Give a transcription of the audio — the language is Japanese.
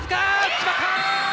決まった！